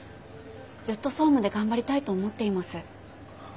ずっと総務で頑張りたいと思っています。